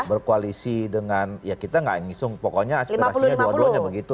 berkoalisi dengan ya kita gak yang ngisung pokoknya aspirasinya dua duanya begitu